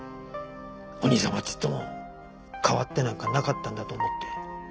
お兄さんはちっとも変わってなんかなかったんだと思って。